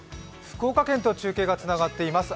福岡県と中継がつながっています。